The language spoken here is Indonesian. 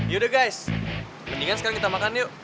yaudah guys mendingan sekarang kita makan yuk